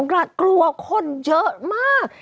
กลัวคนเยอะมาก